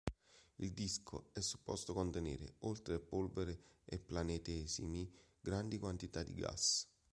Il disco è supposto contenere, oltre a polvere e planetesimi, grandi quantità di gas.